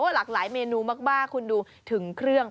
หลากหลายเมนูมากคุณดูถึงเครื่อง